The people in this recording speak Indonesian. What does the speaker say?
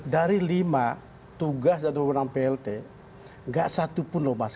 dari lima tugas dan pembunuhan plt nggak satu pun loh mas